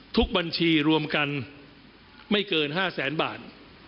บัญชีรวมกันไม่เกิน๕แสนบาท